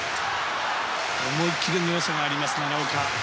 思い切りの良さがある奈良岡。